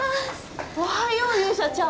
おはよう勇者ちゃん